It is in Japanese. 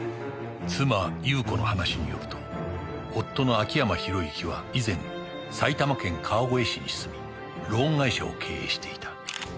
妻裕子の話によると夫の秋山博之は以前埼玉県川越市に住みローン会社を経営していた